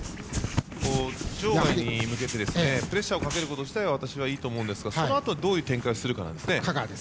場外に向けてプレッシャーをかけること自体は私は、いいと思うんですがそのあとどういう展開をするかですね。